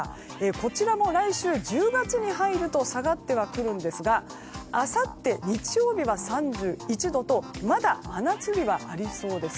こちらも来週１０月に入ると下がってはくるんですがあさって日曜日は３１度とまだ真夏日はありそうです。